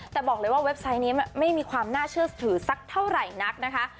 แต่บอกเลยว่าเว็บไซต์นี้ไม่มีความน่าเชื่อถือสักเท่าไหร่นักนะคะ